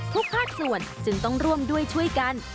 ภาคส่วนจึงต้องร่วมด้วยช่วยกัน